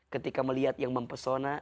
ketika melihat yang mempesona